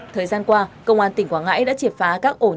thời gian qua công an tỉnh quảng ngãi đã triệt phá các ổn định